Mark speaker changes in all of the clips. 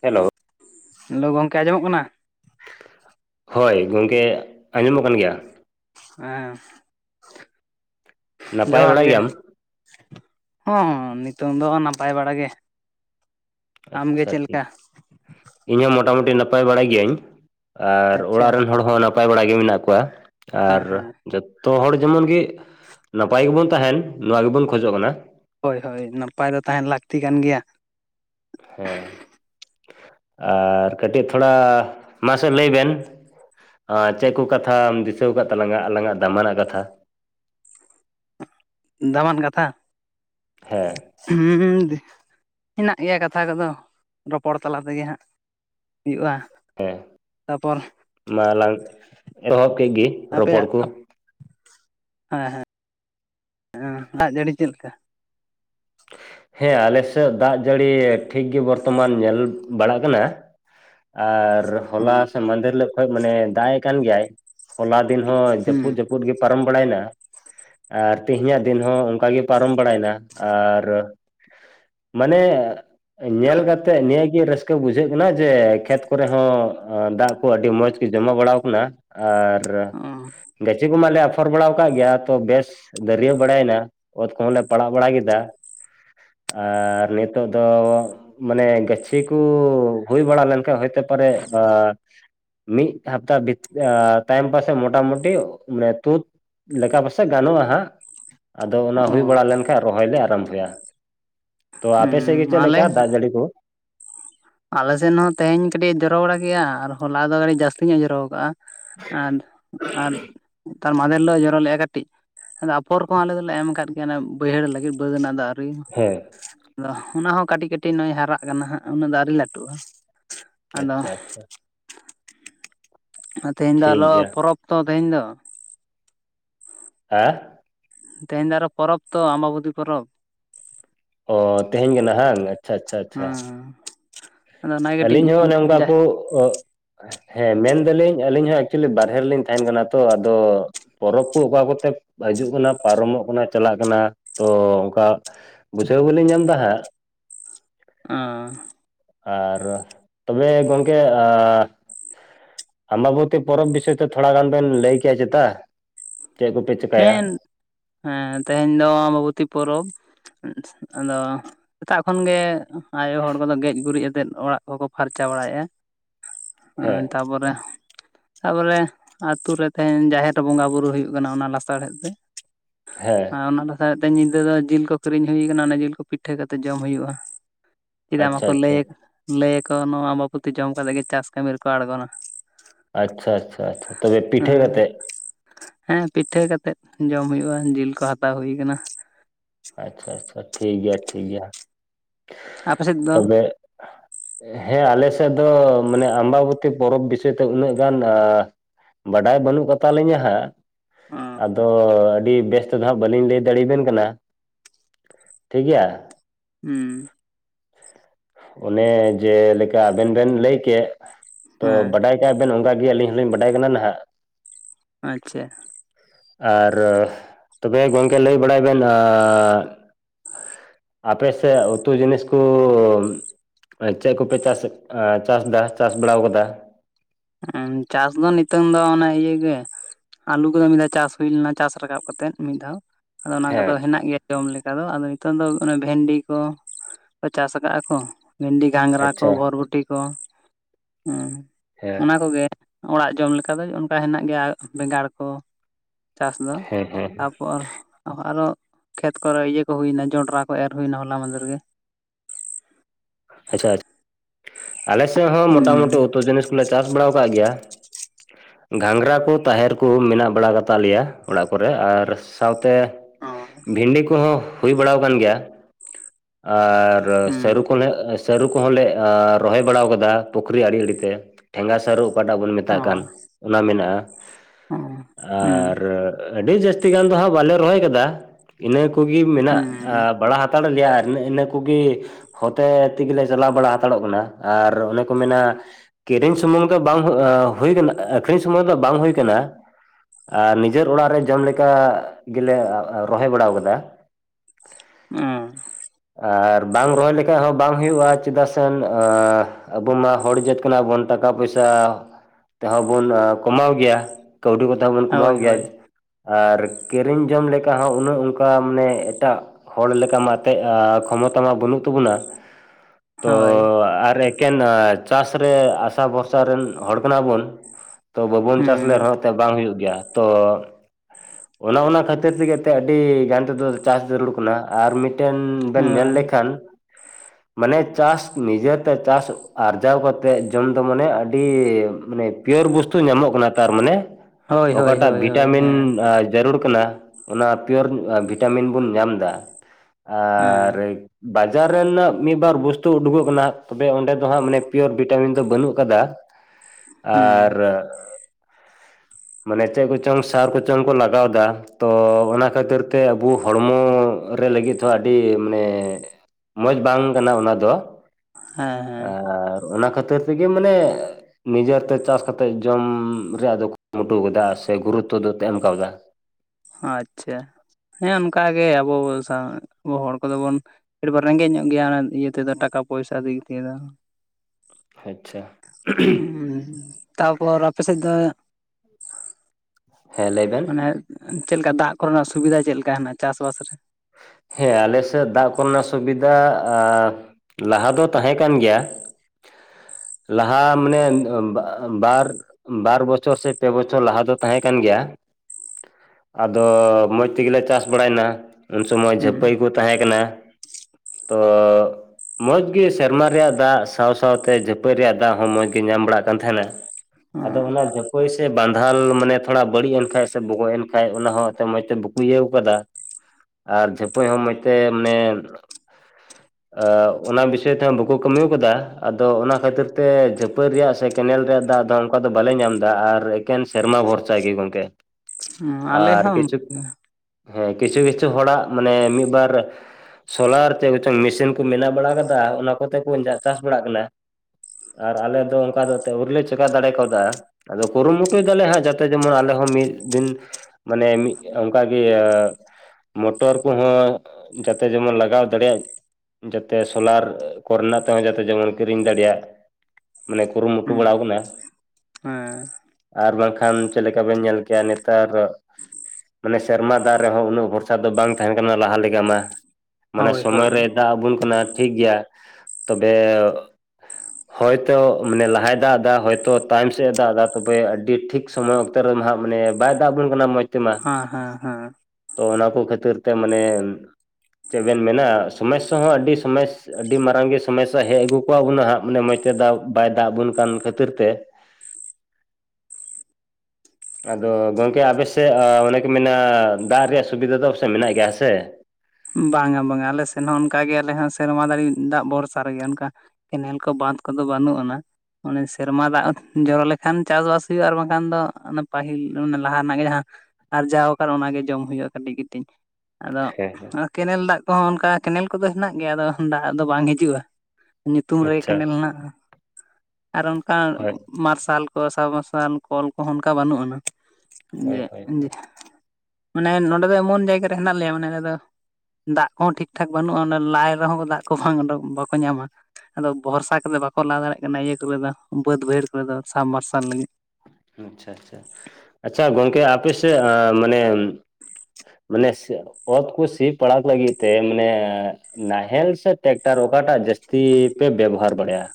Speaker 1: Hello
Speaker 2: hello ᱜᱚᱢᱠᱮ ᱟᱸᱡᱚᱢᱚᱜ ᱠᱟᱱᱟ?
Speaker 1: ᱦᱳᱭ ᱜᱚᱢᱠᱮ ᱟᱸᱡᱚᱢᱚᱜ ᱠᱟᱱ ᱜᱮᱭᱟ᱾
Speaker 2: ᱦᱮᱸ
Speaker 1: ᱱᱟᱯᱟᱭ
Speaker 2: ᱡᱚᱦᱟᱨ
Speaker 1: ᱵᱟᱲᱟ
Speaker 2: ᱜᱮ
Speaker 1: ᱜᱮᱭᱟᱢ
Speaker 2: ᱦᱚᱸ ᱱᱤᱛᱚᱝ ᱫᱚ ᱱᱟᱯᱟᱭ ᱵᱟᱲᱟ ᱜᱮ᱾ ᱟᱢᱜᱮ
Speaker 1: ᱟᱪᱪᱷᱟ
Speaker 2: ᱪᱮᱫ
Speaker 1: ᱴᱷᱤᱠ
Speaker 2: ᱞᱮᱠᱟ?
Speaker 1: ᱤᱧᱦᱚᱸ ᱢᱚᱴᱟᱢᱩᱴᱤ ᱱᱟᱯᱟᱭ ᱵᱟᱲᱟ ᱜᱤᱭᱟᱹᱧ᱾ ᱟᱨ
Speaker 2: ᱟᱪᱪᱷᱟ
Speaker 1: ᱚᱲᱟᱜ ᱨᱮᱱ ᱦᱚᱲ ᱦᱚᱸ ᱱᱟᱯᱟᱭ ᱵᱟᱲᱟ ᱜᱮ ᱢᱮᱱᱟᱜ ᱠᱚᱣᱟ ᱟᱨ
Speaker 2: ᱦᱮᱸ ᱦᱮᱸ
Speaker 1: [unintelligible] ᱦᱚᱲ ᱡᱮᱢᱚᱱ ᱜᱮ ᱱᱟᱯᱟᱭ ᱜᱮᱵᱚᱱ ᱛᱟᱦᱮᱱ ᱱᱚᱣᱟ ᱜᱮᱵᱚᱱ ᱠᱷᱚᱡᱚᱜ ᱠᱟᱱᱟ᱾
Speaker 2: ᱦᱳᱭ ᱦᱳᱭ ᱱᱟᱯᱟᱭ ᱫᱚ ᱛᱟᱦᱮᱱ ᱞᱟᱹᱠᱛᱤ ᱠᱟᱱ ᱜᱮᱭᱟ᱾
Speaker 1: ᱦᱮᱸ ᱟᱨ ᱠᱟᱹᱴᱤᱡ ᱛᱷᱚᱲᱟ ᱢᱟᱥᱮ ᱞᱟᱹᱭ ᱵᱮᱱ ᱪᱮᱫ ᱠᱚ ᱠᱟᱛᱷᱟᱢ ᱫᱤᱥᱟᱹᱣ ᱠᱟᱫ ᱛᱟᱞᱟᱝᱟ ᱟᱞᱟᱝᱟᱜ ᱫᱟᱢᱟᱱᱟᱜ ᱠᱟᱛᱷᱟ
Speaker 2: ᱫᱟᱢᱟᱱ ᱠᱟᱛᱷᱟ
Speaker 1: ᱦᱮᱸ
Speaker 2: ᱦᱩᱸ ᱦᱮᱱᱟᱜ ᱜᱮᱭᱟ ᱠᱟᱛᱷᱟ ᱠᱚᱫᱚ ᱨᱚᱯᱚᱲ ᱛᱟᱞᱟ ᱛᱮᱜᱮ ᱦᱟᱸᱜ ᱦᱩᱭᱩᱜᱼᱟ
Speaker 1: ᱦᱮᱸ
Speaker 2: ᱛᱟᱯᱚᱨ
Speaker 1: ᱢᱟ ᱞᱟᱝ ᱮᱦᱚᱵ ᱠᱮᱫ ᱜᱮ ᱨᱚᱯᱚᱲ
Speaker 2: ᱟᱯᱮᱭᱟᱜ
Speaker 1: ᱠᱚ
Speaker 2: ᱦᱮᱸ ᱦᱮᱸ ᱫᱟᱜ ᱡᱟᱹᱲᱤ ᱪᱮᱫ ᱞᱮᱠᱟ? [inaudible]
Speaker 1: ᱦᱮᱸ ᱟᱞᱮ ᱥᱮᱫ ᱫᱟᱜ ᱡᱟᱹᱲᱤ ᱴᱷᱤᱠ ᱜᱮ ᱵᱚᱨᱛᱚᱢᱟᱱ ᱧᱮᱞ ᱵᱟᱲᱟᱜ ᱠᱟᱱᱟ᱾ ᱟᱨ ᱦᱚᱞᱟ ᱥᱮ ᱢᱟᱦᱫᱮᱨ ᱦᱤᱞᱳᱜ ᱠᱷᱚᱱ ᱢᱟᱱᱮ ᱫᱟᱜ ᱮ ᱠᱟᱱ ᱜᱮᱭᱟᱭ ᱦᱚᱞᱟ ᱫᱤᱱ ᱦᱚᱸ ᱡᱟᱹᱯᱩ
Speaker 2: ᱦᱩᱸ
Speaker 1: ᱡᱟᱹᱯᱩᱫ ᱜᱮ ᱯᱟᱨᱚᱢ ᱵᱟᱲᱟᱭᱱᱟ ᱟᱨ ᱛᱮᱦᱤᱧᱟᱜ ᱫᱤᱱ ᱦᱚᱸ ᱚᱱᱠᱟᱜᱮ ᱯᱟᱨᱚᱢ ᱵᱟᱲᱟᱭᱱᱟ᱾ ᱟᱨ ᱢᱟᱱᱮ ᱧᱮᱞ ᱠᱟᱛᱮᱜ ᱱᱤᱭᱟᱹᱜᱤ ᱨᱟᱹᱥᱠᱟᱹ ᱵᱩᱡᱷᱟᱹᱜ ᱠᱟᱱᱟ ᱡᱮ ᱠᱷᱮᱛ ᱠᱚᱨᱮ ᱦᱚᱸ ᱫᱟᱜ ᱠᱚ ᱟᱹᱰᱤ ᱢᱚᱸᱡᱽᱜᱮ ᱡᱚᱢᱟ ᱵᱟᱲᱟ ᱠᱟᱱᱟ ᱟᱨ ᱜᱟᱪᱷᱤ ᱠᱚᱢᱟᱞᱮ ᱟᱯᱷᱚᱨ ᱵᱟᱲᱟ ᱠᱟᱜ ᱜᱮᱭᱟ ᱛᱚ ᱵᱮᱥ ᱫᱟᱹᱨᱤ ᱵᱟᱲᱟᱭᱮᱱᱟ ᱚᱛ ᱠᱚᱦᱚᱸᱞᱮ ᱯᱟᱲᱟᱜ ᱵᱟᱲᱟ ᱠᱮᱫᱟ᱾ ᱟᱨ ᱱᱤᱛᱳᱜ ᱫᱚ ᱢᱟᱱᱮ ᱜᱟᱹᱪᱷᱤ ᱠᱚ ᱦᱩᱭ ᱵᱟᱲᱟ ᱞᱮᱱᱠᱷᱟᱱ ᱦᱚᱭᱛᱳ ᱠᱚᱨᱮ ᱟ ᱢᱤᱫ ᱦᱟᱯᱛᱟ ᱵᱷᱤ ᱛᱟᱭᱚᱢ ᱯᱟᱥᱮ ᱢᱚᱴᱟᱢᱩᱴᱤ ᱢᱟᱱᱮ ᱛᱩᱜ ᱞᱮᱠᱟ ᱯᱟᱥᱮᱡ ᱜᱟᱱᱚᱜᱼᱟ ᱦᱟᱸᱜ᱾ ᱟᱫᱚ ᱚᱱᱟ
Speaker 2: ᱚ
Speaker 1: ᱦᱩᱭ ᱵᱟᱲᱟ ᱞᱮᱱᱠᱷᱟᱱ ᱨᱚᱦᱚᱭ ᱞᱮ ᱟᱨᱚᱢᱵᱷ ᱦᱩᱭᱩᱜᱼᱟ᱾ ᱛᱚ ᱟᱯᱮ ᱥᱮᱡ ᱜᱮ
Speaker 2: ᱦᱩᱸ
Speaker 1: ᱪᱫ
Speaker 2: ᱟᱞᱮ
Speaker 1: ᱞᱮᱠᱟ ᱫᱟᱜ ᱡᱟᱹᱲᱤ ᱠᱚ?
Speaker 2: ᱟᱞᱮ ᱥᱮᱱ ᱦᱚᱸ ᱛᱮᱦᱮᱧ ᱠᱟᱹᱴᱤᱡ ᱡᱚᱨᱚ ᱵᱟᱲᱟ ᱠᱮᱭᱟ ᱟᱨ ᱦᱚᱞᱟ ᱫᱚ ᱠᱟᱹᱴᱤᱡ ᱡᱟᱹᱥᱛᱤ ᱧᱚᱜ ᱡᱚᱨᱚᱣ ᱠᱟᱜᱼᱟ᱾ ᱟᱨ ᱟᱨ ᱛᱟᱨ ᱢᱟᱫᱮᱨ ᱦᱤᱞᱳᱜ ᱡᱚᱨᱚ ᱞᱮᱜᱼᱟ᱾ ᱠᱟᱹᱴᱤᱡ ᱟᱫᱚ ᱟᱯᱷᱚᱨ ᱠᱚᱦᱚᱸ ᱟᱞᱮ ᱫᱚᱞᱮ ᱮᱢ ᱟᱠᱟᱫ ᱜᱮᱭᱟ ᱵᱟᱹᱭᱦᱟᱹᱲ ᱞᱟᱹᱜᱤᱫ ᱵᱟᱹᱫᱽ ᱨᱮᱱᱟᱜ ᱫᱚ ᱟᱹᱣᱨᱤ ᱟᱫᱚ
Speaker 1: ᱦᱮᱸ
Speaker 2: ᱚᱱᱟ ᱦᱚᱸᱚᱸ ᱠᱟᱹᱴᱤᱡ ᱠᱟᱹᱴᱤᱡ ᱱᱚᱜᱼᱚᱭ ᱦᱟᱨᱟᱜ ᱠᱟᱱᱟ ᱦᱟᱸᱜ ᱩᱱᱟᱹᱜ ᱫᱚ ᱟᱹᱣᱨᱤ ᱞᱟᱹᱴᱩᱜᱼᱟ᱾ ᱟᱫᱚ
Speaker 1: ᱟᱪᱪᱷᱟ ᱟᱪᱪᱷᱟ
Speaker 2: ᱛᱮᱦᱮᱧ ᱫᱚ ᱟᱞᱚ
Speaker 1: ᱴᱷᱤᱠ ᱜᱮᱭᱟ
Speaker 2: ᱯᱚᱨᱚᱵᱽ ᱛᱚ ᱛᱮᱦᱮᱧ ᱫᱚ
Speaker 1: ᱦᱟᱸ
Speaker 2: ᱛᱮᱦᱮᱧ ᱫᱚ ᱟᱨᱚ ᱯᱚᱨᱚᱵᱽ ᱛᱚ ᱟᱢᱵᱟᱵᱚᱛᱤ ᱯᱚᱨᱚᱵᱽ
Speaker 1: ᱚ ᱛᱮᱦᱮᱧ ᱠᱟᱱᱟ ᱦᱟᱝ ᱟᱪᱪᱷᱟ ᱟᱪᱪᱷᱟ ᱟᱪᱪᱷᱟ
Speaker 2: ᱦᱮᱸ ᱟᱫᱚ ᱚᱱᱟ ᱠᱟᱹᱴᱤᱡ
Speaker 1: ᱟᱹᱞᱤᱧ ᱦᱚᱸ ᱚᱱᱮ ᱚᱱᱠᱟ
Speaker 2: ᱡᱟ
Speaker 1: ᱠᱚ ᱦᱮᱸ ᱢᱮᱱ ᱞ ᱫᱟᱞᱤᱧ ᱟᱞᱤᱧ ᱦᱚᱸ ᱮᱠᱪᱩᱭᱮᱞᱤ ᱵᱟᱨᱦᱮ ᱨᱮᱞᱤᱧ ᱛᱟᱦᱮᱱ ᱠᱟᱱᱟ ᱛᱚ ᱟᱫᱚ ᱯᱚᱨᱚᱵᱽ ᱠᱚ ᱚᱠᱟ ᱠᱚᱛᱮ ᱦᱤᱡᱩᱜ ᱠᱟᱱᱟ᱾ ᱯᱟᱨᱚᱢᱚᱜ ᱠᱟᱱᱟ ᱪᱟᱞᱟᱜ ᱠᱟᱱᱟ ᱛᱚ ᱚᱱᱠᱟ ᱵᱩᱡᱷᱟᱹᱣ ᱵᱟᱹᱞᱤᱧ ᱧᱟᱢ ᱮᱫᱟ ᱦᱟᱸᱜ᱾
Speaker 2: ᱚ
Speaker 1: ᱟᱨ ᱛᱚᱵᱮ ᱜᱚᱝᱠᱮ ᱟᱢᱵᱚᱛᱤ ᱯᱚᱨᱚᱵᱽ ᱵᱤᱥᱚᱭ ᱛᱮ ᱛᱷᱚᱲᱟ ᱜᱟᱱ ᱵᱮᱱ ᱞᱟᱹᱭ ᱠᱮᱭᱟ ᱪᱮᱛᱟ? ᱪᱮᱫ ᱠᱚᱯᱮ ᱪᱮᱠᱟᱭᱟ
Speaker 2: ᱦᱮᱸ ᱦᱮᱸ ᱛᱮᱦᱮᱧ ᱫᱚ ᱟᱵᱟᱵᱚᱛᱤ ᱯᱚᱨᱚᱵᱽ ᱟᱫᱚ ᱥᱮᱛᱟᱜ ᱠᱷᱚᱱ ᱜᱮ ᱟᱭᱳ ᱦᱚᱲ ᱠᱚᱫᱚ ᱜᱮᱡ ᱜᱩᱨᱤᱡ ᱟᱛᱮ ᱚᱲᱟᱜ ᱠᱚᱠᱚ ᱯᱷᱟ ᱯᱷᱟᱨᱪᱟ ᱵᱟᱲᱟᱭᱮᱫᱼᱟ᱾
Speaker 1: ᱦᱮᱸ
Speaker 2: ᱛᱟᱯᱚᱨᱮ ᱛᱟᱯᱚᱨᱮ ᱟᱹᱛᱩ ᱨᱮ ᱛᱟᱦᱮᱱ ᱡᱟᱦᱮᱨ ᱵᱚᱸᱜᱟ ᱵᱩᱨᱩ ᱦᱩᱭᱩᱜ ᱠᱟᱱᱟ ᱚᱱᱟ ᱞᱟᱥᱟᱲᱦᱮᱫ ᱛᱮ
Speaker 1: ᱦᱮᱸ
Speaker 2: ᱟᱨ ᱚᱱᱟ ᱫᱚ ᱧᱤᱫᱟᱹ ᱫᱚ ᱡᱤᱞ ᱠᱚ ᱠᱤᱨᱤᱧ ᱦᱩᱭᱩ ᱠᱟᱱᱟ ᱚᱱᱟ ᱡᱤᱞ ᱠᱚ ᱯᱤᱴᱷᱟᱹ ᱠᱟᱛᱮᱫ ᱡᱚᱢ ᱦᱩᱭᱩᱜᱼᱟ᱾ ᱪᱮᱫᱟᱜ
Speaker 1: ᱟᱪᱪᱷᱟ
Speaker 2: ᱢᱟᱠᱚ
Speaker 1: ᱟᱪᱪᱷᱟ
Speaker 2: ᱞᱟᱹᱭ ᱞᱟᱹ ᱟᱠᱚ ᱱᱚᱣᱟ ᱵᱟᱵᱚᱛᱚᱛ ᱡᱚᱢ ᱠᱟᱛᱮᱮᱫ ᱜᱮ ᱪᱟᱥ ᱠᱟᱹᱢᱤ ᱨᱮᱠᱚ ᱟᱬᱜᱚᱱᱟ᱾
Speaker 1: ᱟᱪᱪᱷᱟ ᱟᱪᱪᱷᱟ ᱛᱚᱵᱮ ᱯᱤᱴᱷᱟᱹ
Speaker 2: ᱦᱮᱸ
Speaker 1: ᱠᱟᱛᱮᱫ
Speaker 2: ᱦᱮᱸ ᱯᱤᱴᱷᱟᱹ ᱠᱟᱛᱮᱜ ᱡᱚᱢ ᱦᱩᱭᱩᱜᱼᱟ ᱡᱤᱞ ᱠᱚ ᱦᱟᱛᱟᱣ ᱦᱩᱭ ᱠᱟᱱᱟ᱾
Speaker 1: ᱟᱪᱪᱷᱟ ᱟᱪᱪᱷᱟ ᱴᱷᱤᱠ ᱜᱮᱭᱟ ᱴᱷᱤᱠ ᱜᱮᱭᱟ᱾
Speaker 2: ᱟᱯᱮ ᱥᱮᱫ ᱫᱚ
Speaker 1: ᱛᱚᱵᱮ ᱦᱮᱸ ᱟᱞᱮ ᱥᱮ ᱮᱫ ᱫᱚ ᱢᱟᱱᱮ ᱟᱢᱵᱟᱵᱚᱛᱤ ᱯᱚᱨᱚᱵᱽ ᱵᱤᱥᱚᱭ ᱛᱮ ᱩᱱᱟᱹᱜ ᱜᱟᱱ ᱵᱟᱰᱟᱭ ᱵᱟᱹᱱᱩᱜ ᱠᱟᱛᱟᱞᱤᱧᱟᱹ ᱦᱟᱸᱜ᱾
Speaker 2: ᱦᱩᱸ
Speaker 1: ᱟᱫᱚ ᱟᱹᱰᱤ ᱵᱮᱥ ᱛᱮᱫᱚ ᱦᱟᱸᱜ ᱵᱟᱹᱞᱤᱧ ᱞᱟᱹᱭ ᱫᱟᱲᱮᱭᱟᱵᱮᱱ ᱠᱟᱱᱟ᱾ ᱴᱷᱤᱠ ᱜᱮᱭᱟ᱾
Speaker 2: ᱦᱮᱸ
Speaker 1: ᱚᱱᱮ ᱡᱮᱞᱮᱠᱟ ᱟᱵᱮᱱ ᱵᱮᱱ ᱞᱟᱹᱭ ᱠᱮᱫ ᱛᱚ
Speaker 2: ᱦᱮᱸ
Speaker 1: ᱵᱟᱰᱟᱭ ᱠᱟᱜ ᱵᱮᱱ ᱚᱱ ᱜᱮ ᱟᱹᱞᱤᱧ ᱦᱚᱞᱤᱧ ᱵᱟᱰᱟᱭ ᱠᱟᱱᱟ ᱱᱟᱦᱱᱟᱜ
Speaker 2: ᱟᱪᱪᱷᱟ
Speaker 1: ᱟᱨ ᱛᱚᱵᱮ ᱜᱚᱢᱠᱮ ᱞᱟᱹᱭ ᱵᱟᱲᱟᱭ ᱵᱮᱱ ᱟᱯᱮ ᱥᱮ ᱩᱛᱩ ᱡᱤᱱᱤᱥ ᱠᱩ ᱪᱮᱫ ᱠᱚᱯᱮ ᱪᱟᱥ ᱪᱟᱥ ᱮᱟ ᱪᱟᱥ ᱵᱟᱲ ᱠᱟᱫᱟ᱾
Speaker 2: ᱦᱮᱸ ᱪᱟᱥ ᱫᱚ ᱱᱤᱛᱚᱝ ᱫᱚ ᱚᱱᱟ ᱤᱭᱟᱹ ᱜᱮ ᱟᱞᱩ ᱠᱚᱫᱚ ᱢᱤᱫ ᱫᱷᱟᱣ ᱪᱟᱥ ᱦᱩᱭ ᱞᱮᱱᱟ ᱪᱟᱥ ᱨᱟᱠᱟᱵ ᱠᱟᱛᱮᱫ ᱢᱤᱫ ᱫᱷᱟᱣ ᱟᱫᱚ ᱚᱱᱟ ᱠᱚᱫᱚ
Speaker 1: ᱦᱮᱸ
Speaker 2: ᱦᱮᱱᱟᱜ ᱜᱮᱭᱟ ᱡᱚᱢ ᱞᱮᱠᱟ᱾ ᱠᱟ ᱫᱚ ᱟᱫᱚ ᱱᱤᱛᱚᱝ ᱫᱚ ᱚᱱ ᱵᱷᱮᱱᱰᱤ ᱠᱚ ᱪᱟᱥ ᱟᱠᱟᱟᱜᱼᱟ ᱠᱚ᱾ ᱵᱷᱤᱱᱰᱤ ᱜᱷᱟᱸᱜᱽᱨᱟ ᱠᱚ
Speaker 1: ᱟᱪᱪᱷᱟ
Speaker 2: ᱵᱷᱚᱨᱵᱚᱴ ᱠᱚ ᱦᱚᱸ
Speaker 1: ᱦᱮᱸ
Speaker 2: ᱚᱱᱟ ᱠᱚᱜᱮ ᱚᱲᱟᱜ ᱡᱚᱢ ᱞᱮᱠᱟ ᱫᱚ ᱚᱱᱠᱟ ᱦᱮᱱᱟᱜ ᱜᱮᱭᱟ ᱵᱮᱸᱜᱟᱲ ᱠᱚ ᱪᱟᱥ ᱫᱚ
Speaker 1: ᱦᱮᱸ ᱦᱮᱸ
Speaker 2: ᱛᱟᱯᱚᱨ ᱟᱨᱚ ᱠᱷᱮᱛ ᱠᱚᱨᱮ ᱤᱭᱟᱹ ᱠᱚ ᱦᱩᱭᱱᱟ ᱡᱚᱸᱰᱨᱟ ᱠᱚ ᱮᱨ ᱦᱩᱭᱱᱟ ᱦᱚᱞᱟ ᱢᱫᱷᱮᱨ ᱜᱮ
Speaker 1: [unintelligible] ᱟᱞᱮ ᱥᱮᱫ ᱦᱚᱸ
Speaker 2: ᱦᱩᱸ
Speaker 1: ᱢᱳᱴᱟᱢᱩᱴᱤ ᱩᱛᱩ ᱡᱤᱱᱤᱥ ᱠᱚᱞᱮ ᱪᱟᱥ ᱵᱟᱲᱟ ᱠᱟᱜ ᱜᱮᱭᱟ ᱜᱷᱟᱸᱝᱨᱟ ᱠᱚ ᱛᱟᱦᱮᱨ ᱠᱚ ᱢᱮᱱᱟᱜ ᱵᱟᱲᱟ ᱜᱮ ᱛᱟᱞᱮᱭᱟ ᱚᱲᱟᱜ ᱠᱚᱨᱮ ᱟᱨ ᱥᱟᱶᱛᱮ
Speaker 2: ᱚ
Speaker 1: ᱵᱷᱤᱱᱰᱤ ᱠᱚᱦᱚᱸ ᱦᱩᱭ ᱵᱟᱲᱟᱠᱟᱱ ᱜᱮᱭᱟ ᱟᱨ
Speaker 2: ᱦᱩᱸ
Speaker 1: ᱥᱟᱹᱨᱩᱠ ᱥᱟᱹᱨᱩ ᱠᱚᱦᱚᱸᱞᱮ ᱨᱚᱦᱚᱭ ᱵᱟᱲᱟᱠᱟᱫᱟ ᱯᱩᱠᱷᱨᱤ ᱟᱲᱮ ᱟᱲᱮᱛᱮ ᱴᱷᱮᱸᱜᱟ ᱥᱟᱹᱨᱩ ᱚᱠᱟᱴᱟᱜ ᱵᱚᱱ
Speaker 2: ᱚ
Speaker 1: ᱢᱮᱛᱟᱜ ᱠᱟᱱ ᱚᱱᱟ ᱢᱮᱱᱟᱜᱼᱟ
Speaker 2: ᱚ ᱦᱩᱸ
Speaker 1: ᱟᱨ ᱟᱹᱰᱤ ᱡᱟᱹᱥᱛᱤ ᱜᱟᱱ ᱫᱚ ᱦᱟᱸᱜ ᱵᱟᱞᱮ ᱨᱚᱦᱚᱭ ᱟᱠᱟᱫᱟ ᱤᱱᱟᱹ ᱠᱚᱜᱮ ᱢᱮᱱᱟᱜ
Speaker 2: ᱦᱩᱸ
Speaker 1: ᱵᱟᱲᱟ ᱦᱟᱛ [unintelligible] ᱠᱚᱮ ᱦᱚᱛᱮ ᱛᱮᱜᱮᱞᱮ ᱪᱟᱞᱟᱣ ᱵᱟᱲᱟ ᱦᱟᱛᱟᱲᱚᱜ ᱠᱟᱱᱟ ᱟᱨ ᱚᱱᱮ ᱠᱚ ᱢᱮᱱᱟ ᱠᱤᱨᱤᱧ ᱥᱩᱢᱩᱝ ᱫᱚ ᱵᱟᱝ ᱦᱩᱭ [unintelligible] ᱟᱠᱷᱨᱤᱧ ᱥᱚᱢᱚᱭ ᱫᱚ ᱵᱟᱝ ᱦᱩᱭ ᱟᱠᱟᱱᱟ ᱟᱨ ᱱᱤᱡᱮᱨ ᱚᱲᱟᱜ ᱨᱮ ᱡᱚᱢ ᱞᱮᱠᱟ ᱜᱮᱞᱮ ᱨᱚᱦᱚᱭ ᱵᱟᱲᱟ ᱠᱟᱫᱟ
Speaker 2: ᱚ
Speaker 1: ᱟᱨ ᱵᱟᱝ ᱨᱚᱦᱚᱭ ᱞᱮᱠᱷ ᱦᱚᱸ ᱵᱟᱝ ᱦᱩᱭᱩᱜᱼᱟ ᱪᱮᱫᱟᱜ ᱥᱮ ᱟᱵᱚ ᱢᱟ ᱦᱚᱲ ᱡᱟᱹᱛ ᱠᱟᱱᱟ ᱵᱚᱱ ᱴᱟᱠᱟ ᱯᱚᱭᱥᱟ ᱛᱮᱦᱚᱸ ᱵᱚᱱ ᱠᱚᱢᱟᱣ ᱜᱮᱭᱟ ᱠᱟᱹᱣᱰᱤ ᱠᱚᱛᱮᱦᱚᱸ ᱵᱚᱱ
Speaker 2: ᱚ
Speaker 1: ᱠᱚᱢᱟᱣ
Speaker 2: ᱦᱳᱭ
Speaker 1: ᱜᱮᱭᱟ
Speaker 2: ᱦᱳᱭ
Speaker 1: ᱟᱨ ᱠᱤᱨᱤᱧ ᱡᱚᱢ ᱞᱮᱠᱟ ᱦᱚᱸ ᱩᱱᱟᱹᱜ ᱚᱱᱠᱟ ᱢᱟᱱᱮ ᱮᱴᱟᱜ ᱦᱚᱲ ᱞᱮᱠᱟ ᱢᱟ [unintelligible] ᱚᱱᱟ ᱛᱟ ᱢᱟ ᱵᱟᱹᱱᱩᱜ ᱛᱟᱵᱩᱱᱟ ᱛᱚ
Speaker 2: ᱦᱳᱭ
Speaker 1: ᱟᱨ ᱮᱠ ᱮᱠᱷᱮᱱ ᱪᱟᱥ ᱨᱮᱱ ᱟᱥᱟ ᱵᱷᱚᱨᱥᱟ ᱨᱮᱱ ᱦᱚᱲ ᱠᱟᱱᱟ ᱵᱚᱱ ᱛᱚ ᱵᱟᱵᱚᱱ ᱪᱟᱥ ᱞᱮ
Speaker 2: ᱦᱩᱸ
Speaker 1: ᱨᱮᱦᱚᱸ ᱮᱱᱛᱮ ᱵᱟᱝ ᱦᱩᱭᱩᱜ ᱜᱮᱭᱟ ᱛᱚ ᱚᱱᱮ ᱚᱱᱟ ᱠᱷᱟᱹᱛᱤᱨ ᱛᱮᱜᱮ ᱛᱮ ᱟᱹᱰᱤ ᱜᱟᱱ ᱛᱮᱫᱚ ᱪᱟᱥ ᱡᱟᱹᱨᱩᱲ ᱠᱟᱱᱟ ᱟᱨ ᱢᱤᱫ ᱢᱤᱫᱴᱮᱱ ᱵᱮᱱ ᱧᱮᱞ
Speaker 2: ᱮᱠᱫᱚᱢ
Speaker 1: ᱞᱮᱠᱷᱟᱱ
Speaker 2: [inaudible]
Speaker 1: ᱢᱟᱱᱮ ᱪᱟᱥ ᱱᱤᱡᱮᱛᱮ ᱪᱟᱥ ᱟᱨᱡᱟᱣ ᱠᱟᱛᱮᱜ ᱡᱚᱢ ᱫᱚ ᱢᱟᱱᱮ ᱟᱹᱰᱤ ᱢᱟᱱᱮ ᱯᱤᱭᱳᱨ ᱵᱚᱥᱛᱩ ᱧᱟᱢᱚᱜ ᱠᱟᱱᱟ ᱛᱟᱨᱢᱟᱱᱮ
Speaker 2: ᱦᱳᱭ ᱦᱳᱭ
Speaker 1: ᱚᱠᱟᱴᱟᱜ
Speaker 2: ᱦᱳᱭ ᱦᱳᱭ ᱦᱮᱸ
Speaker 1: ᱵᱷᱤᱴᱟᱢᱤᱱ ᱡᱟᱹᱨᱩᱲ ᱠᱟᱱᱟ ᱚᱱᱟ ᱯᱤᱭᱳᱨ ᱵᱷᱤᱴᱟᱢᱤᱱ ᱵᱚᱱ ᱧᱟᱢ ᱮᱫᱟ
Speaker 2: ᱦᱮᱸ
Speaker 1: ᱟᱨ ᱵᱟᱡᱟᱨ ᱨᱮᱱᱟᱜ ᱢᱤᱫᱵᱟᱨ ᱵᱚᱥᱛᱩ ᱩᱰᱩᱠᱚᱜ ᱠᱟᱱᱟ ᱛᱚᱵᱮ ᱚᱸᱰᱮ ᱫᱚ ᱦᱟᱸᱜ ᱢᱟᱱᱮ ᱯᱤᱭᱳᱨ ᱵᱷᱤᱴᱟᱢᱤᱱ ᱫᱚ ᱵᱟᱹᱱᱩᱜ ᱟᱠᱟᱫᱟ
Speaker 2: ᱦᱩᱸ
Speaker 1: ᱟᱨ ᱢᱟᱱᱮ ᱪᱮᱫ ᱠᱚᱪᱚᱝ ᱥᱟᱨ ᱠᱚᱪᱚᱝ ᱠᱚ ᱞᱟᱜᱟᱣ ᱞᱟᱜᱟᱣᱫᱟ ᱛᱚ ᱚᱱᱟ ᱠᱷᱟᱹᱛᱤᱨ ᱛᱮ ᱟᱵᱚ ᱦᱚᱲᱢᱚ ᱨᱮ ᱞᱟᱹᱜᱤᱫ ᱦᱚᱸ ᱟᱹᱰᱤ ᱢᱟᱱᱮ ᱢᱚᱡᱽ ᱵᱟᱝ ᱠᱟᱱᱟ ᱚᱱᱟ ᱫᱚ
Speaker 2: ᱦᱮᱸ ᱦᱮᱸ
Speaker 1: ᱟᱨ ᱚᱱᱟ ᱠᱷᱟᱹᱛᱤᱨ ᱛᱮᱜᱮ ᱢᱟᱱᱮ ᱱᱤᱡᱮᱛᱮ ᱪᱟᱥ ᱠᱟᱛᱮᱜ ᱡᱚᱢ ᱨᱮᱭᱟᱜ ᱫᱚ ᱠᱩᱨᱩᱢᱩᱴᱩ ᱟᱠᱟᱫᱟ ᱥᱮ ᱜᱩᱨᱩᱛᱛᱚ ᱫᱚ ᱮᱢ ᱠᱟᱣᱫᱟ
Speaker 2: ᱟᱪᱪᱷᱟ ᱦᱮᱸ ᱚᱱᱠᱟᱜ ᱜᱮ ᱟᱵᱚ ᱟᱵᱚ ᱦᱚᱲ ᱠᱚᱫᱚ ᱵᱚᱱ ᱮᱵᱟᱨ ᱨᱮᱸᱜᱮᱡ ᱧᱚᱜ ᱜᱮᱭᱟ ᱚᱱᱟ ᱤᱭᱟᱹ ᱛᱮᱫᱚ ᱴᱟᱠᱟ ᱯᱚᱭᱥᱟ ᱛᱮ ᱫᱚ
Speaker 1: ᱟᱪᱪᱷᱟ
Speaker 2: ᱦᱮᱸ ᱛᱟᱯᱚᱨ ᱟᱯᱮ ᱥᱮᱫ ᱫᱚ
Speaker 1: ᱦᱮᱸ ᱞᱟᱹᱭ ᱵᱮᱱ
Speaker 2: ᱢᱟᱱᱮ ᱪᱮᱫᱞᱮᱠᱟ ᱫᱟᱜ ᱠᱚᱨᱮᱱᱟᱜ ᱥᱩᱵᱤᱫᱟ ᱪᱮᱫᱞᱮᱠᱟ ᱦᱮᱱᱟᱜ ᱪᱟᱥᱵᱟᱥ ᱨᱮ
Speaker 1: ᱦᱮᱸ ᱟᱞᱮ ᱥᱮᱫ ᱫᱟᱜ ᱠᱚᱨᱮᱱᱟᱜ ᱥᱩᱵᱤᱫᱷᱟ [unintelligible] ᱞᱟᱦᱟ ᱫᱚ ᱛᱟᱦᱮᱸ ᱠᱟᱱ ᱜᱮᱭᱟ
Speaker 2: [inaudible]
Speaker 1: ᱞᱟᱦᱟ ᱢᱟᱱᱮ ᱵᱟᱨ ᱵᱟᱨ ᱵᱚᱪᱷᱚᱨ ᱥᱮ ᱯᱮ ᱵᱚᱪᱷᱚᱨ ᱞᱟᱦᱟ ᱫᱚ ᱛᱟᱦᱮᱸ ᱠᱟᱱ ᱜᱮᱭᱟ
Speaker 2: [inaudible]
Speaker 1: ᱟᱫᱚ ᱢᱚᱡᱽ ᱛᱮᱜᱮᱞᱮ ᱪᱟᱥ ᱵᱟᱲᱟᱭᱮᱱᱟ ᱩᱱ ᱥᱚᱢᱚᱭ ᱡᱷᱟᱹᱯᱟᱹᱭ
Speaker 2: ᱦᱩᱸ
Speaker 1: ᱠᱚ ᱛᱟᱦᱮᱸ ᱠᱟᱱᱟ ᱛᱚ ᱢᱚᱸᱡᱽ ᱜᱮ ᱥᱮᱨᱢᱟ ᱨᱮᱭᱟᱜ ᱫᱟᱜ ᱥᱟᱶ ᱥᱟᱶᱛᱮ ᱡᱷᱟᱹᱯᱟᱹᱭ ᱨᱮᱭᱟᱜ ᱫᱟᱜ ᱦᱚᱸ ᱢᱚᱸᱡᱽ ᱜᱮ ᱧᱟᱢ ᱵᱟᱲᱟᱜ ᱠᱟᱱ ᱛᱟᱦᱮᱱᱟ ᱟᱫᱚ ᱚᱱᱟ
Speaker 2: ᱦᱩᱸ
Speaker 1: ᱡᱚᱯᱟᱹᱭ ᱥᱮ ᱵᱟᱸᱫᱷᱟᱞ ᱢᱟᱱᱮ ᱛᱷᱚᱲᱟ ᱵᱟᱹᱲᱤᱡ ᱮᱱ ᱠᱷᱟᱱ ᱥᱮ ᱵᱚᱜᱚᱜ ᱮᱱ ᱠᱷᱟᱱ ᱚᱱᱟ ᱦᱚᱸ ᱛᱮ ᱢᱚᱸᱡᱽ ᱛᱮ ᱵᱟᱠᱚ ᱤᱭᱟᱹᱣ ᱟᱠᱟᱫᱟ
Speaker 2: [inaudible]
Speaker 1: ᱟᱨ ᱡᱷᱟᱹᱯᱟᱹᱭ ᱦᱚᱸ ᱢᱚᱡᱽ ᱛᱮ ᱢᱟᱱᱮ
Speaker 2: [inaudible]
Speaker 1: ᱚᱱᱟ ᱵᱤᱥᱚᱭ ᱛᱮᱦᱚᱸ ᱵᱟᱠᱚ ᱠᱟᱹᱢᱤ ᱟᱠᱟᱫᱟ᱾ ᱟᱫᱚ ᱚᱱᱟ ᱠᱷᱟᱹᱛᱤᱨ ᱛᱮ ᱡᱷᱟᱹᱯᱟᱹᱨ ᱨᱮᱭᱟᱜ ᱥᱮ ᱠᱮᱱᱮᱞ ᱨᱮᱭᱟᱜ ᱫᱟᱜ ᱟᱫᱚ ᱚᱱᱠᱟ ᱫᱚ ᱵᱟᱞᱮ ᱧᱟᱢ ᱮᱫᱟ ᱟᱨ ᱮᱠᱮᱱ ᱥᱮᱨᱢᱟ ᱵᱷᱚᱨᱥᱟ ᱜᱮ ᱜᱚᱢᱠᱮ
Speaker 2: ᱦᱚ ᱟᱞᱮ ᱦᱚᱸ ᱚᱱᱠᱟ
Speaker 1: ᱦᱮᱸ ᱠᱤᱪᱷᱩ ᱠᱤᱪᱷᱩ ᱦᱚᱲᱟᱜ ᱢᱟᱱᱮ ᱢᱤᱫ-ᱵᱟᱨ ᱥᱳᱞᱟᱨ ᱛᱮᱪᱚᱝ ᱢᱮᱥᱤᱱ ᱠᱚ ᱢᱮᱱᱟᱜ ᱵᱟᱲᱟ ᱠᱟᱫᱟ ᱚᱱᱟ ᱠᱚᱛᱮ ᱠᱚ ᱪᱟᱥ ᱵᱟᱲᱟᱜ ᱠᱟᱱᱟ᱾ ᱟᱨ ᱟᱞᱮ ᱫᱚ ᱚᱱᱠᱟ ᱫᱚ ᱟᱹᱣᱨᱤ ᱞᱮ ᱪᱮᱠᱟ ᱫᱟᱲᱮ ᱠᱟᱣᱫᱟ ᱟᱫᱚ ᱠᱩᱨᱩᱢᱩᱴᱩᱭ ᱫᱟᱞᱮ ᱦᱟᱸᱜ ᱡᱟᱛᱮ ᱡᱮᱢᱚᱱ ᱟᱞᱮ ᱢᱤᱫ ᱫᱤᱱ ᱢᱟᱱᱮ ᱚᱱᱠᱟᱜ ᱜᱮ ᱢᱚᱴᱚᱨ ᱠᱚᱦᱚᱸ ᱡᱟᱛᱮ ᱡᱮᱢᱚᱱ ᱞᱟᱜᱟᱣ ᱫᱟᱲᱮᱭᱟᱜ ᱡᱟᱛᱮ ᱥᱳᱞᱟᱨ ᱠᱚᱨᱮᱱᱟᱜ ᱛᱮᱦᱚᱸ ᱡᱟᱛᱮ ᱡᱮᱢᱚᱱ ᱠᱤᱨᱤᱧ ᱫᱟᱲᱮᱭᱟᱜ ᱢᱟᱱᱮ ᱠᱩᱨᱩᱢᱩᱴᱩ
Speaker 2: ᱦᱩᱸ
Speaker 1: ᱵᱟᱲᱟᱣ ᱠᱟᱱᱟ᱾
Speaker 2: ᱦᱮᱸ
Speaker 1: ᱟᱨ ᱵᱟᱝᱠᱷᱟᱱ ᱪᱮᱫ ᱞᱮᱠᱟ ᱵᱮᱱ ᱧᱮᱞ ᱠᱮᱭᱟ ᱱᱮᱛᱟᱨ ᱢᱟᱱᱮ ᱥᱮᱨᱢᱟ ᱫᱟᱜ ᱨᱮᱦᱚᱸ ᱩᱱᱟᱹᱜ ᱵᱷᱚᱨ ᱟᱫᱚ ᱵᱟᱝ ᱛᱟᱦᱮᱱ ᱠᱟᱱᱟ ᱞᱟᱦᱟ ᱞᱮᱠᱟ ᱢᱟ ᱢᱟᱱᱮ
Speaker 2: ᱦᱳᱭ
Speaker 1: ᱥᱚᱢᱚᱭ
Speaker 2: ᱦᱳᱭ
Speaker 1: ᱨᱮ ᱫᱟᱜ ᱟᱵᱚᱱ ᱠᱟᱱᱟ᱾ ᱴᱷᱤᱠ ᱜᱮᱭᱟ ᱛᱚᱵᱮ ᱦᱚᱭᱛᱳ ᱢᱟᱱᱮ ᱞᱟᱦᱟᱭ ᱫᱟᱜ ᱮᱫᱟ ᱦᱚᱭᱛᱳ ᱛᱟᱭᱚᱢ ᱥᱮᱫ ᱮ ᱫᱟᱜ ᱮᱫᱟ ᱛᱚᱵᱮ ᱟᱹᱰᱤ ᱴᱷᱤᱠ ᱥᱚᱢᱚᱭ ᱚᱠᱛᱮ ᱨᱮ ᱦᱟᱸᱜ ᱢᱟᱱᱮ ᱵᱟᱭ ᱫᱟᱜ ᱵᱚᱱ ᱠᱟᱱᱟ ᱢᱚᱡᱽ
Speaker 2: ᱦᱮᱸ ᱦᱮᱸ ᱦᱮᱸ
Speaker 1: ᱠᱷᱟᱛᱤᱨ ᱛᱮ ᱢᱟᱱᱮ ᱪᱮᱫ ᱵᱮᱱ ᱢᱮᱱᱟ ᱥᱚᱢᱚᱥᱟ ᱦᱚᱸ ᱟᱹᱰᱤ ᱥᱚᱢᱥᱟ ᱟᱹᱰᱤ ᱢᱟᱨᱟᱝ ᱜᱮ ᱥᱚᱢᱚᱥᱥᱟ ᱦᱮᱡ ᱟᱹᱜᱩ ᱟᱠᱟᱜ ᱵᱚᱱᱟ ᱦᱟᱸᱜ᱾ ᱢᱟᱱᱮ ᱢᱚᱡᱽ ᱛᱮᱫᱟᱜ ᱵᱟᱭ ᱫᱟᱜ ᱵᱚᱱ ᱠᱚᱱ ᱠᱷᱟᱹᱛᱤᱨ ᱛᱮ
Speaker 2: [inaudible]
Speaker 1: ᱟᱫᱚ ᱜᱚᱝᱠᱮ ᱟᱯᱮᱥᱮᱫ ᱚᱱᱮ ᱠᱚ ᱢᱮᱱᱟ ᱫᱟᱜ ᱨᱮᱭᱟᱜ ᱥᱩᱵᱤᱫᱷᱟ ᱫᱚ ᱢᱮᱱᱟᱜ ᱜᱮᱭᱟ ᱦᱮᱸ ᱥᱮ?
Speaker 2: ᱵᱟᱝᱼᱟ - ᱵᱟᱝᱟ ᱟᱞᱮ ᱥᱮᱱ ᱦᱚᱸ ᱚᱱᱠᱟᱜᱮ ᱟᱞᱮ ᱦᱚᱸ ᱥᱮᱨᱢᱟ ᱡᱟᱹᱲᱤ ᱫᱟᱜ ᱵᱷᱚᱨᱥᱟ ᱨᱮᱜᱮ ᱚᱱᱠᱟ ᱠᱮᱱᱮᱞ ᱠᱚ ᱵᱟᱝ ᱠᱚᱫᱚ ᱵᱟᱹᱱᱩᱜ ᱟᱱᱟ᱾ ᱚᱱᱮ ᱥᱮᱨᱢᱟ ᱫᱟᱜ ᱡᱚᱨᱚ ᱞᱮᱠᱷᱟᱱ ᱪᱟᱥᱵᱟᱥ ᱦᱩᱭᱩᱜᱼᱟ ᱟᱨ ᱵᱟᱝᱠᱷᱟᱱ ᱫᱚ ᱚᱱᱟ ᱯᱟᱹᱦᱤᱞ ᱚᱱᱟ ᱞᱟᱦᱟ ᱨᱮᱱᱟᱜ ᱜᱮ ᱡᱟᱦᱟᱸ ᱟᱨᱡᱟᱣ ᱟᱠᱟᱱ ᱚᱱᱟᱜᱮ ᱡᱚᱢ ᱦᱩᱭᱩᱜᱼᱟ᱾ ᱠᱟᱹᱴᱤᱡ - ᱠᱟᱹᱴᱤᱡ ᱟᱫᱚ
Speaker 1: ᱦᱮᱸ ᱦᱮᱸ
Speaker 2: ᱠᱮᱱᱮᱞ ᱫᱟᱜ ᱠᱚᱦᱚᱸ ᱚᱱᱠᱟ ᱠᱮᱱᱮᱞ ᱠᱚᱫᱚ ᱦᱮᱱᱟᱜ ᱜᱮᱭᱟ ᱟᱫᱚ ᱫᱟᱜ ᱫᱚ ᱵᱟᱝ ᱦᱤᱡᱩᱜᱼᱟ᱾ ᱧᱩᱛᱩᱢ ᱨᱮ
Speaker 1: ᱟᱪᱪᱷᱟ
Speaker 2: ᱠᱮᱱᱮᱞ ᱦᱮᱱᱟᱜᱼᱟ᱾ ᱟᱨ ᱚᱱᱠᱟ
Speaker 1: ᱦᱳᱭ
Speaker 2: ᱢᱟᱨᱥᱟᱞ ᱠᱚ ᱥᱟᱵ ᱢᱟᱨᱟᱨᱥᱟᱞ ᱠᱚᱞ ᱠᱚᱦᱚᱸ ᱚᱱᱠᱟ ᱵᱟᱹᱱᱩᱜ ᱟᱱᱟ᱾
Speaker 1: ᱦᱳᱭ
Speaker 2: ᱡᱮ
Speaker 1: ᱦᱳᱭ
Speaker 2: ᱢᱟᱱᱮ ᱱᱚᱸᱰᱮ ᱫᱚ ᱮᱢᱚᱱ ᱡᱟᱭᱜᱟ ᱨᱮ ᱦᱮᱱᱟᱜ ᱞᱮᱭᱟ ᱢᱟᱱᱮ ᱟᱞᱮ ᱫᱚ [inaudible] ᱫᱟᱜ ᱠᱚᱦᱚᱸ ᱴᱷᱤᱠ - ᱴᱷᱟᱠ ᱵᱟᱹᱱᱩᱜᱼᱟ᱾ ᱞᱟᱭ ᱨᱮᱦᱚᱸ ᱫᱟᱜ ᱠᱚ ᱵᱟᱝ ᱵᱟᱠᱚ ᱧᱟᱢᱟ ᱟᱫᱚ ᱵᱷᱚᱨᱥᱟ ᱠᱟᱛᱮ ᱵᱟᱠᱚ ᱪᱟᱞᱟᱣ ᱫᱟᱲᱮᱭᱟᱜ ᱠᱟᱱᱟ᱾ ᱤᱭᱟᱹ ᱠᱚᱨᱮ ᱫᱚ ᱵᱟᱹᱫ ᱵᱟᱹᱭᱦᱟᱹᱲ ᱠᱚᱨᱮ ᱫᱚ ᱥᱟᱵᱢᱟᱨᱥᱟᱞ ᱞᱟᱹᱜᱤᱫ
Speaker 1: ᱚᱯᱮ ᱥᱮᱡ ᱢᱟᱱᱮ ᱢᱟᱱᱮ ᱚᱛ ᱠᱚ ᱥᱤ ᱯᱟᱲᱟᱜ ᱞᱟᱹᱜᱤᱫ ᱛᱮ ᱢᱟᱱᱮ ᱱᱟᱦᱮᱞ ᱥᱮ ᱴᱮᱠᱴᱟᱨ? ᱚᱠᱟᱴᱟᱜ ᱡᱟᱹᱥᱛᱤ ᱯᱮ ᱵᱮᱵᱚᱦᱟᱨ ᱵᱟᱲᱟᱭᱟ᱾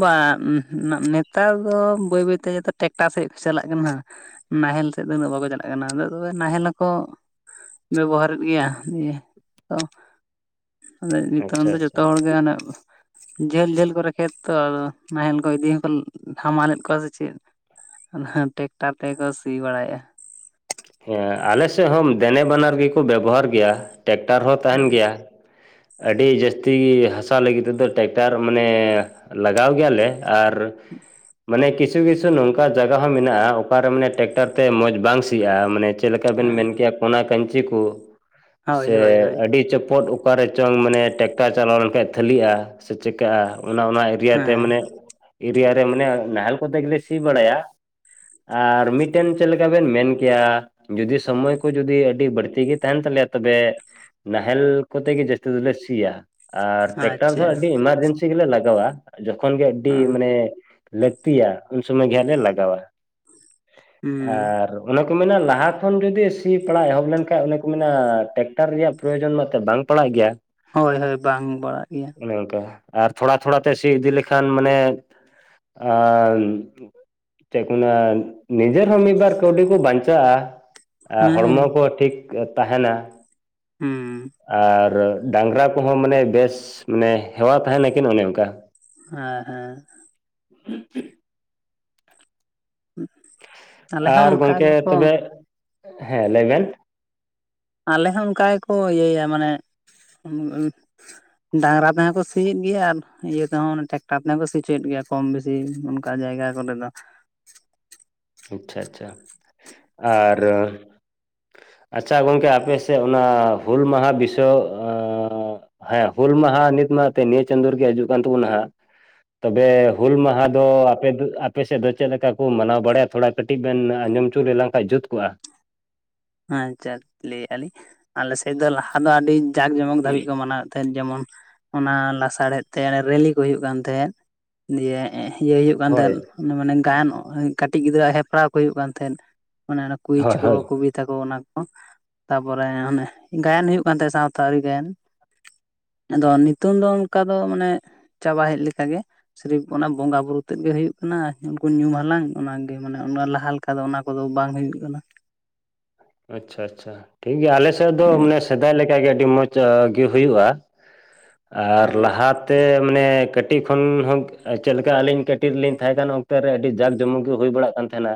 Speaker 2: ᱵᱟ ᱱᱮᱛᱟᱨ ᱫᱚ ᱵᱟᱹᱭ ᱵᱟᱹᱭᱛᱮ ᱴᱨᱟᱠᱴᱟᱨ ᱥᱮᱫ ᱠᱚ ᱪᱟᱞᱟᱜ ᱠᱟᱱᱟ᱾ ᱱᱟᱦᱮᱞ ᱥᱮᱫ ᱫᱚ ᱩᱱᱟᱹᱜ ᱵᱟᱠᱚ ᱪᱟᱞᱟᱜ ᱠᱟᱱᱟ ᱛᱚᱵᱮ ᱱᱟᱦᱮᱞ ᱟᱠᱚ ᱵᱮᱵᱚᱦᱟᱨᱮᱫ ᱜᱮᱭᱟ᱾ ᱱᱤᱭᱟᱹ ᱛᱚ ᱟᱫᱚ ᱱᱤᱛᱚᱝ
Speaker 1: ᱟᱪᱪᱷᱟ
Speaker 2: ᱫᱚ ᱡᱚᱛᱚ
Speaker 1: ᱟᱪᱪᱷᱟ
Speaker 2: ᱦᱚᱲᱜᱮ ᱟᱱᱮ ᱡᱷᱟᱹᱞ ᱡᱷᱟᱹᱞ ᱠᱚᱨᱮ ᱠᱷᱮᱛ ᱛᱚ ᱱᱟᱦᱮᱞ ᱠᱚ ᱤᱫᱤ ᱦᱚᱸᱠᱚ ᱦᱟᱢᱟᱞᱮᱫ ᱠᱚᱣᱟ ᱥᱮ ᱪᱮᱫ ᱚᱱᱟ ᱴᱮᱠᱴᱟᱨ ᱛᱮᱠᱚ ᱥᱤ ᱵᱟᱲᱟᱭᱮᱫᱟ᱾
Speaker 1: ᱦᱮᱸ ᱟᱞᱮ ᱥᱮᱫ ᱦᱚᱸ ᱫᱮᱱᱮ ᱵᱟᱱᱟᱨ ᱜᱮᱠᱚ ᱵᱮᱵᱚᱦᱟᱨ ᱜᱮᱭᱟ᱾ ᱴᱮᱠᱴᱟᱨ ᱦᱚᱸ ᱛᱟᱦᱮᱱ ᱜᱮᱭᱟ᱾ ᱟᱹᱰᱤ ᱡᱟᱹᱥᱛᱤ ᱦᱟᱥᱟ ᱞᱟᱹᱜᱤᱫ ᱛᱮᱫᱚ ᱴᱮᱠᱴᱟᱨ ᱢᱟᱱᱮ ᱞᱟᱜᱟᱣ ᱜᱮᱭᱟᱞᱮ ᱟᱨ ᱢᱟᱱᱮ ᱠᱤᱪᱷ ᱠᱤᱪᱷᱩ- ᱠᱤᱪᱷᱩ ᱱᱚᱝᱠᱟ ᱡᱟᱭᱜᱟ ᱦᱚᱸ ᱢᱮᱱᱟᱜᱼᱟ ᱚᱠᱟᱨᱮ ᱢᱟᱱᱮ ᱴᱮᱠᱴᱟᱨ ᱛᱮ ᱢᱚᱡᱽ ᱵᱟᱝ ᱥᱤᱜᱼᱟ᱾ ᱢᱟᱱᱮ ᱪᱮᱫ ᱞᱮᱠᱟ ᱵᱮᱱ
Speaker 2: ᱦᱮᱸ
Speaker 1: ᱢᱮᱱ ᱠᱮᱭᱟ ᱠᱚ ᱠᱟᱹᱧᱪᱤ ᱠᱚ
Speaker 2: ᱦᱳᱭ ᱦᱳᱭ
Speaker 1: ᱥᱮ
Speaker 2: ᱦᱳᱭ
Speaker 1: ᱟᱹᱰᱤ ᱪᱚᱯᱚᱴ ᱚᱠᱟᱨᱮ ᱪᱚᱝ ᱢᱟᱱᱮ ᱴᱮᱠᱴᱟᱨ ᱪᱟᱞᱟᱣ ᱞᱮᱱᱠᱷᱟᱱᱡ ᱛᱷᱟᱹᱤᱜᱼᱟ ᱥᱮ ᱪᱤᱠᱟᱹᱜᱼᱟ᱾ ᱚᱱᱟ ᱚᱱᱟ ᱮᱨᱤᱭᱟ ᱛᱮ
Speaker 2: ᱦᱮᱸ
Speaker 1: ᱢᱟᱱᱮ ᱮᱨᱤᱭᱟ ᱨᱮ ᱢᱟᱱᱮ ᱱᱟᱦᱮᱞ ᱠᱚᱛᱮ ᱜᱮᱞᱮ ᱥᱤ ᱵᱟᱲᱟᱭᱟ ᱟᱨ ᱢᱤᱫᱴᱮᱱ ᱪᱮᱫ ᱞᱮᱠᱟ ᱵᱮᱱ ᱢᱮᱱ ᱠᱮᱭᱟ ᱡᱩᱫᱤ ᱥᱚᱢᱚᱭ ᱠᱚ ᱡᱩᱫᱤ ᱟᱹᱰᱤ ᱵᱟᱹᱲᱛᱤ ᱜᱮ ᱛᱟᱦᱮᱱ ᱛᱟᱞᱮᱭᱟ ᱛᱚᱵᱮ ᱱᱟᱦᱮᱞ ᱠᱚᱛᱮ ᱜᱮ ᱡᱟᱹᱥᱛᱤ ᱫᱚᱞᱮ ᱥᱤᱭᱟ ᱟᱨ ᱴᱨᱟᱠᱴᱟᱨ ᱫᱚ
Speaker 2: ᱟᱪᱪᱷᱟ
Speaker 1: ᱟᱹᱰᱤ ᱮᱢᱟᱨᱡᱮᱱᱥᱤ ᱜᱮᱞᱮ ᱞᱟᱜᱟᱣᱟ ᱡᱚᱠᱷᱚᱱ ᱜᱮ ᱟᱹᱰᱤ
Speaker 2: ᱦᱮᱸ
Speaker 1: ᱢᱟᱱᱮ ᱞᱟᱹᱠᱛᱤᱭᱟ ᱩᱱ ᱥᱚᱢᱚᱭ ᱜᱮᱦᱟᱸᱜ ᱞᱮ ᱞᱟᱜᱟᱣᱟ
Speaker 2: ᱦᱩᱸ
Speaker 1: ᱟᱨ ᱚᱱᱟ ᱠᱚ ᱢᱮᱱᱟ ᱞᱟᱦᱟ ᱠᱷᱚᱱ ᱡᱩᱫᱤ ᱥᱤ ᱯᱟᱲᱟᱜ ᱮᱦᱚᱵ ᱞᱮᱱᱠᱟᱱ ᱚᱱᱮ ᱠᱚ ᱢᱮᱱᱟ ᱴᱮᱠᱴᱟᱨ ᱨᱮᱭᱟᱜ ᱯᱨᱳᱚᱭᱳᱡᱚᱱ ᱢᱟᱛᱚ ᱵᱟᱝ ᱯᱟᱲᱟᱜ ᱜᱮᱭᱟ
Speaker 2: ᱦᱳᱭ ᱦᱳᱭ ᱵᱟᱝ ᱯᱟᱲᱟᱜ ᱜᱮᱭᱟ
Speaker 1: ᱚᱱᱮ ᱚᱱᱠᱟ ᱟᱨ ᱛᱷᱚᱲᱟ ᱛᱷᱚᱲᱟ ᱛᱮ ᱥᱤ ᱤᱫᱤ ᱞᱮᱠᱷᱟᱱ ᱢᱟᱱᱮ ᱟ ᱪᱮᱫᱠᱚ ᱢᱮᱱᱟ ᱱᱤᱡᱮᱨ ᱦᱚᱸ ᱢᱤᱫ ᱵᱟᱨ ᱠᱟᱹᱣᱰᱤ ᱠᱚ ᱵᱟᱧᱪᱟᱜᱼᱟ
Speaker 2: ᱦᱮᱸ
Speaker 1: ᱦᱚᱲᱢᱚ ᱠᱚ ᱴᱷᱤᱠ ᱛᱟᱦᱮᱱᱟ
Speaker 2: ᱦᱩᱸ
Speaker 1: ᱟᱨ ᱰᱟᱝᱨᱟ ᱠᱚᱦᱚᱸ ᱢᱟᱱᱮ ᱵᱮᱥ ᱢᱟᱱᱮ ᱦᱮᱣᱟ ᱛᱟᱦᱮᱱᱟᱠᱤᱱ ᱚᱱᱮ ᱚᱱᱠᱟ
Speaker 2: ᱦᱮᱸ ᱦᱮᱸ
Speaker 1: ᱦᱪ [inaudible]
Speaker 2: ᱦᱮᱸ
Speaker 1: ᱟᱨ ᱜᱚᱢᱠᱮ ᱛᱚᱵᱮ ᱦᱮᱸ ᱞᱟᱹᱭ ᱵᱮᱱ
Speaker 2: ᱟᱞᱮ ᱦᱚᱸ ᱚᱱᱠᱟ ᱜᱮᱠᱚ ᱤᱭᱟᱹᱭᱟ ᱢᱟᱱᱮ ᱰᱟᱝᱨᱟ ᱛᱮᱦᱚᱸ ᱠᱚ ᱥᱤᱭᱮᱫ ᱜᱮᱭᱟ ᱟᱨ ᱤᱭᱟᱹ ᱛᱮᱦᱚᱸ ᱴᱮᱠᱴᱟᱨ ᱛᱮᱦᱚᱸ ᱠᱚ ᱥᱤ ᱭᱮᱫ ᱜᱮᱭᱟ ᱠᱚᱢ ᱵᱮᱥᱤ ᱚᱱᱠᱟ ᱡᱟᱭᱜᱟ [unintelligible]
Speaker 1: ᱟᱪᱪᱷᱟ ᱟᱪᱪᱷᱟ ᱟᱨ ᱟᱪᱪᱷᱟ ᱜᱚᱝᱠᱮ ᱟᱯᱮ ᱥᱮᱫ ᱚᱱᱟ ᱦᱩᱞ ᱢᱟᱦᱟ ᱵᱤᱥᱚ ᱦᱮᱸ ᱦᱩᱞ ᱢᱟᱦᱟ ᱱᱤᱛ ᱢᱟ ᱱᱤᱭᱟᱹ ᱪᱟᱸᱫᱳ ᱨᱮᱜᱮ ᱦᱤᱡᱩᱜ ᱠᱟᱱ ᱛᱟᱵᱚᱱᱟ ᱦᱟᱸᱜ ᱛᱚᱵᱮ ᱦᱩᱞ ᱢᱟᱦᱟ ᱫᱚ ᱟᱯᱮ ᱟᱯᱮ ᱥᱮᱫ ᱫᱚ ᱪᱮᱫ ᱞᱮᱠᱟ ᱠᱚ ᱢᱟᱱᱟᱣ ᱵᱟᱲᱟᱭᱟ ᱛᱷᱚᱲᱟ ᱠᱟᱹᱴᱤᱡ ᱵᱮᱱ ᱟᱸᱡᱚᱢ ᱦᱚᱪᱚ ᱞᱮᱱ ᱠᱷᱟᱱ ᱡᱩᱛ ᱠᱚᱜᱼᱟ
Speaker 2: ᱟᱪᱪᱷᱟ ᱞᱟᱹᱭᱮᱜᱼᱟ ᱞᱤᱧ ᱟᱞᱮᱥᱮᱫ ᱫᱚ ᱞᱟᱦᱟ ᱫᱚ ᱟᱹᱰᱤ ᱡᱟᱠ ᱡᱚᱢᱚᱠ ᱫᱷᱟᱹᱵᱤᱡ ᱠᱚ ᱢᱟᱱᱟᱣᱮᱫ ᱛᱟᱦᱮᱸᱫ ᱡᱮᱢᱚᱱ ᱚᱱᱟ ᱞᱟᱥᱟᱲᱦᱮᱫ ᱛᱮ ᱨᱮᱞᱤ ᱠᱚ ᱦᱩᱭᱩᱜ ᱠᱟᱱ ᱛᱟᱦᱮᱸᱫ ᱫᱤᱭᱮ ᱤᱭᱟᱹᱭ ᱦᱩᱭᱩᱜ ᱠᱟᱱ
Speaker 1: ᱦᱳᱭ
Speaker 2: ᱛᱟᱦᱮᱸᱫ ᱢᱟᱱᱮ ᱜᱟᱭᱟᱱ ᱠᱟᱹᱴᱤᱡ ᱜᱤᱫᱽᱨᱟᱹᱜ ᱦᱮᱯᱨᱟᱣ ᱠᱚ ᱦᱩᱭᱩᱜ ᱠᱟᱱ ᱛᱟᱦᱮᱸᱫ ᱟᱱᱮ ᱚᱱᱟ ᱠᱩᱭᱤᱡᱽ
Speaker 1: ᱦᱳᱭ
Speaker 2: ᱠᱚ
Speaker 1: ᱦᱳᱭ
Speaker 2: ᱠᱚᱵᱤ ᱚᱱᱟ ᱠᱚ ᱛᱟᱯᱚᱨᱮ ᱚᱱᱮ ᱜᱟᱭᱟᱱ ᱦᱩᱭᱩᱜ ᱠᱟᱱ ᱛᱟᱦᱮᱸᱫ ᱥᱟᱶᱛᱟ ᱟᱹᱨᱤ ᱜᱟᱭᱟᱱ ᱟᱫᱚ ᱱᱤᱛᱚᱝ ᱫᱚ ᱚᱱᱠᱟ ᱫᱚ ᱢᱟᱱᱮ ᱪᱟᱵᱟ ᱦᱮᱡ ᱞᱮᱠᱟ ᱜᱮ ᱥᱨᱤᱯ ᱚᱱᱟ ᱵᱚᱸᱜᱟ ᱵᱩᱨᱩ ᱛᱮᱫ ᱜᱮ ᱦᱩᱭᱩᱜ ᱠᱟᱱᱟ ᱩᱱᱠᱩ ᱧᱩ ᱦᱟᱞᱟᱝ ᱚᱱᱟᱜᱮ ᱢᱟᱱᱮ ᱞᱟᱦᱟ ᱞᱮᱠᱟ ᱫᱚ ᱚᱱᱟ ᱠᱚᱫᱚ ᱵᱟᱝ ᱦᱩᱭᱩᱜ ᱠᱟᱱᱟ
Speaker 1: ᱟᱪᱪᱷᱟ ᱟᱪᱪᱷᱟ ᱴᱷᱤᱠᱜᱮᱭᱟ ᱟᱞᱮᱥᱮᱫ ᱫᱚ
Speaker 2: ᱦᱩᱸ
Speaker 1: ᱢᱟᱱᱮ ᱥᱮᱫᱟᱭ ᱞᱮᱠᱟ ᱜᱮ ᱟᱹᱰᱤ ᱢᱚᱡᱽ ᱜᱮ ᱦᱩᱭᱩᱜᱼᱟ ᱟᱨ ᱞᱟᱦᱟᱛᱮ ᱢᱟᱱᱮ ᱠᱟᱹᱴᱤᱡ ᱠᱷᱚᱱ ᱦᱚᱸ ᱪᱮᱫ ᱞᱮᱠᱟ ᱟᱹᱞᱤᱧ ᱠᱟᱹᱴᱤᱡ ᱨᱮᱞᱤᱧ ᱛᱟᱦᱮᱸ ᱠᱟᱱ ᱚᱠᱛᱮ ᱨᱮ ᱟᱹᱰᱤ ᱡᱟᱠ ᱡᱚᱢᱚᱠ ᱜᱮ ᱦᱩᱭ ᱵᱟᱲᱟᱜ ᱠᱟᱱ ᱛᱟᱦᱮᱱᱟ